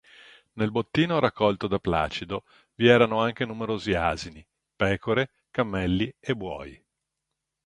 Nel bottino raccolto da Placido, vi erano anche numerosi asini, pecore, cammelli e buoi.